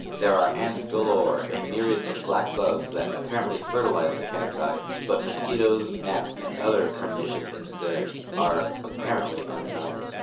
There are ants galore, and myriads of black bugs that apparently fertilize the cacti, but mosquitoes, gnats, and other ])ernicious insects are apparently unknown.